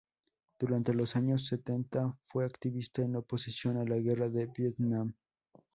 Durante los años setenta fue activista en oposición a la guerra de Vietnam.